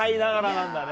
なんだね。